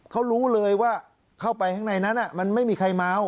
เขารู้เลยว่าเข้าไปข้างในนั้นมันไม่มีใครเมา